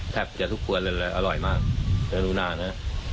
แทบจะทุกคนเลยอร่อยมากกรุณานะ